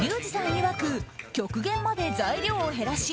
いわく極限まで材料を減らし